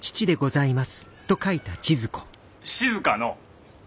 静の。